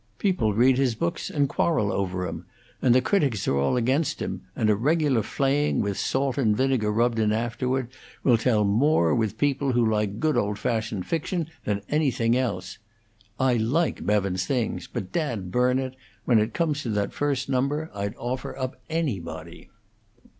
People read his books and quarrel over 'em, and the critics are all against him, and a regular flaying, with salt and vinegar rubbed in afterward, will tell more with people who like good old fashioned fiction than anything else. I like Bevans's things, but, dad burn it! when it comes to that first number, I'd offer up anybody."